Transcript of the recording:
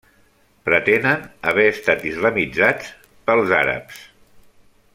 Pretenen haver estat islamitzats pels àrabs.